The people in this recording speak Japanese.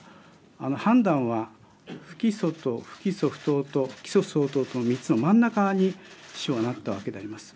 判断は、不起訴と不起訴不当と起訴相当と３つの真ん中に秘書はなったわけであります。